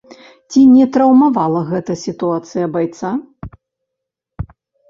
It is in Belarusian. Ці не траўмавала гэта сітуацыя байца?